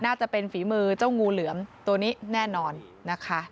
น่าจะเป็นฝีมือเจ้างูเหลือมตัวนี้แน่นอนนะคะ